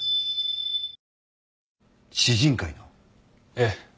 ええ。